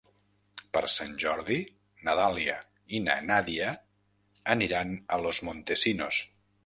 Per Sant Jordi na Dàlia i na Nàdia aniran a Los Montesinos.